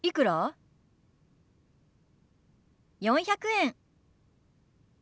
４００円。